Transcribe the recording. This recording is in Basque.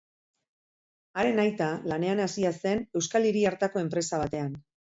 Haren aita lanean hasia zen euskal hiri hartako enpresa batean.